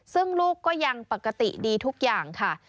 ซึ่งลูกก็ยังปกติดีทุกอย่างค่ะ